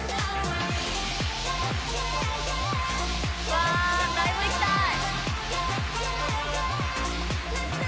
わぁライブ行きたい。